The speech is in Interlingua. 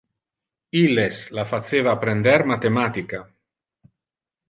Illes la faceva apprender mathematica.